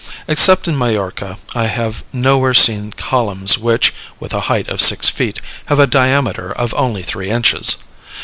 Except in Majorca, I have nowhere seen columns which, with a height of six feet, have a diameter of only three inches.